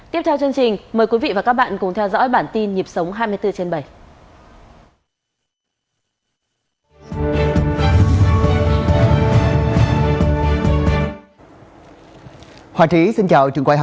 tiếp theo chương trình